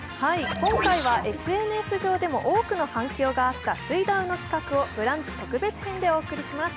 今回はＳＮＳ上でも多くの反響があった「水ダウ」の企画を「ブランチ」特別編でお送りします。